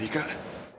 gini kak aku tau